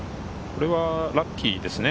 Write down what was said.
これはラッキーですね。